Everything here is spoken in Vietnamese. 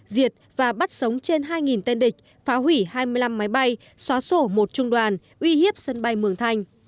diệt và bắt sống trên hai tên địch phá hủy hai mươi năm máy bay xóa sổ một trung đoàn uy hiếp sân bay mường thanh